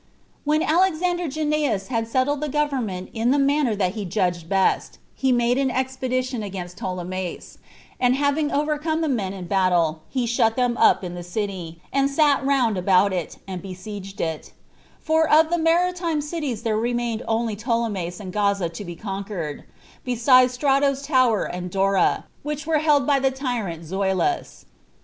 2. When Alexander Janneus had settled the government in the manner that he judged best, he made an expedition against Ptolemais; and having overcome the men in battle, he shut them up in the city, and sat round about it, and besieged it; for of the maritime cities there remained only Ptolemais and Gaza to be conquered, besides Strato's Tower and Dora, which were held by the tyrant Zoilus.